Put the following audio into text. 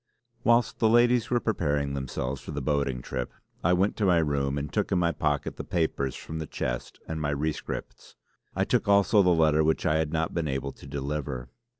Whilst the ladies were preparing themselves for the boating trip I went to my room and took in my pocket the papers from the chest and my rescripts. I took also the letter which I had not been able to deliver.